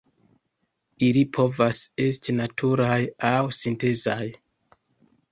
Ili povas esti naturaj aŭ sintezaj.